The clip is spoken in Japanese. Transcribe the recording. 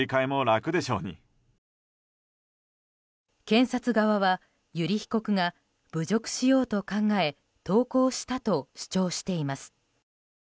検察側は油利被告が侮辱しようと考え投稿したと主張しています。